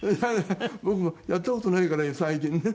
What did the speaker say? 僕もやった事ないから最近ね。